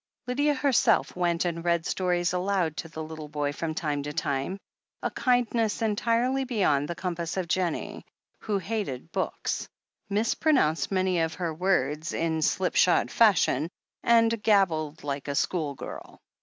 Lydia herself went and read stories aloud to the little boy from time to time — 3, kindness entirely beyond the compass of Jennie, who hated books, mis pronounced many of her words in slipshod fashion, and gabbled like a schoolgirl.